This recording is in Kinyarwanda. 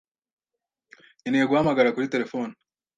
Nkeneye guhamagara kuri terefone.